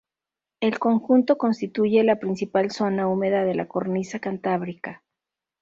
El conjunto constituye la principal zona húmeda de la Cornisa Cantábrica.